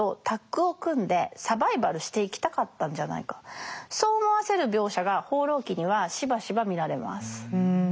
男とではなくそう思わせる描写が「放浪記」にはしばしば見られます。